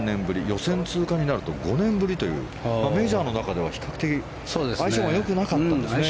予選通過になると５年ぶりというメジャーの中では比較的相性がよくなかったんですね。